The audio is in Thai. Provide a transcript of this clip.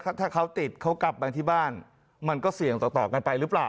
ถ้าเขาติดเขากลับไปที่บ้านมันก็เสี่ยงต่อกันไปหรือเปล่า